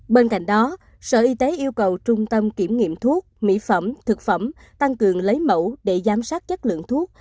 bên cạnh đó sở y tế yêu cầu trung tâm kiểm nghiệm thuốc mỹ phẩm thực phẩm tăng cường lấy mẫu để giám sát chất lượng thuốc